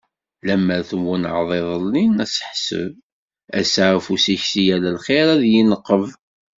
Amer twennɛeḍ iḍelli aseḥseb, ass-a afus-ik si yal lxir ad d-yenqeb.